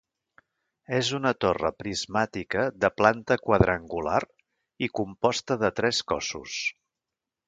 És una torre prismàtica de planta quadrangular i composta de tres cossos.